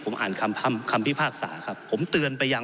ผมอภิปรายเรื่องการขยายสมภาษณ์รถไฟฟ้าสายสีเขียวนะครับ